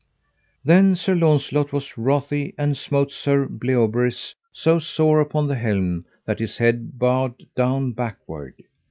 Then Sir Launcelot was wrothy and smote Sir Bleoberis so sore upon the helm that his head bowed down backward.